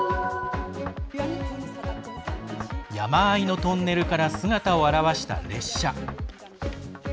山あいのトンネルから姿を現した列車。